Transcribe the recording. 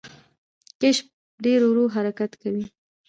کیشپ ډیر ورو حرکت کوي